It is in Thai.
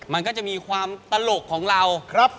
มันมีความตลกของเรา